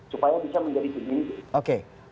supaya bisa menjadi penyelidikan